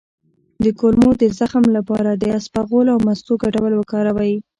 د کولمو د زخم لپاره د اسپغول او مستو ګډول وکاروئ